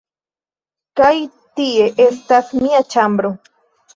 Kaj tie estas mia ĉambro